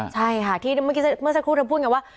ใช่ค่ะเมื่อกี้เมื่อสักครู่เธอพูดอย่างนี้ว่า